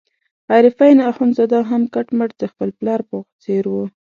عارفین اخندزاده هم کټ مټ د خپل پلار په څېر وو.